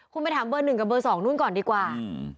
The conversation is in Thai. คุณไปถามเบอร์๑กับเบอร์๒นู่นก่อนดีกว่า